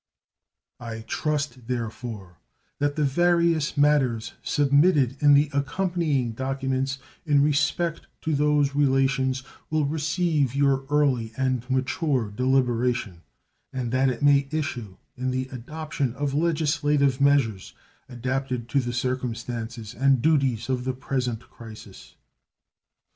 I trust, therefore, that the various matters submitted in the accompanying documents in respect to those relations will receive your early and mature deliberation, and that it may issue in the adoption of legislative measures adapted to the circumstances and duties of the present crisis.